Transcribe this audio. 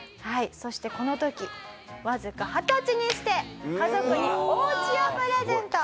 そしてこの時わずか二十歳にして家族にお家をプレゼント。